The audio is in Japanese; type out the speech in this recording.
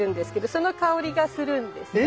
その香りがするんですね。